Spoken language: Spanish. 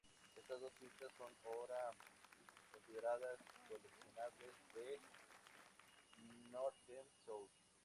Estas dos pistas son ahora consideradas coleccionables del Northern Soul.